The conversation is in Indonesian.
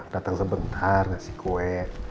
datang sebentar ngasih kue